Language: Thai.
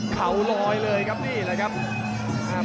เขาลอยเลยครับนี่แหละครับ